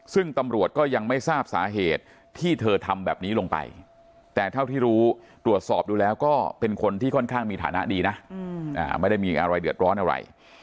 ซึ่งตำรวจก็ยังไม่ทราบสาเหตุที่เธอทำแบบนี้ลงไปแต่เท่าที่รู้ตรวจสอบดูแล้วก็เป็นคนที่ค่อนข้างมีฐานะดีนะไม่ได้มีอะไรเดือดร้อนอะไร